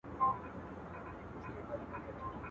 له توتکیو به وي تشې د سپرلي لمني.